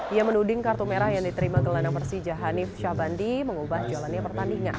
ia menuding kartu merah yang diterima gelandang persija hanif syabandi mengubah jalannya pertandingan